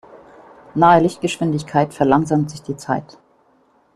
Nahe Lichtgeschwindigkeit verlangsamt sich die Zeit.